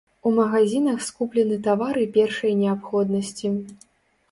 У магазінах скуплены тавары першай неабходнасці.